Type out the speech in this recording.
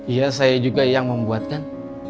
iya saya juga yang membuatkan